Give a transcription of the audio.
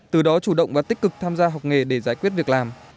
từ đó chủ động và tích cực tham gia học nghề để giải quyết việc làm